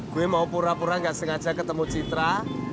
gue mau pura pura nggak sengaja ketemu citra